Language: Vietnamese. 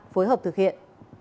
phối hợp thực hiện